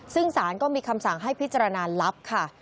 ซึ่งสารก็มีคำสั่งให้พิจารณาลับค่ะ